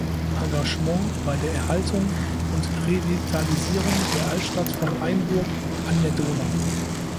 Engagement bei der Erhaltung und Revitalisierung der Altstadt von Hainburg an der Donau.